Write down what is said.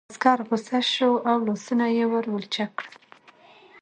عسکر غوسه شو او لاسونه یې ور ولچک کړل